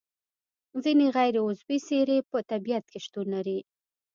ځینې غیر عضوي سرې په طبیعت کې شتون لري.